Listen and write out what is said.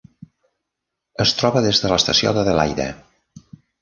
Es troba des de l'estació d'Adelaida.